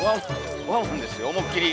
ワンワンですよ思っきり。